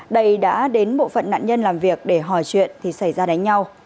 đây đã đến bộ phận nạn nhân làm việc để hỏi chuyện thì xảy ra đánh nhau